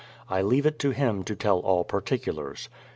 I leave it to him to tell all particulars.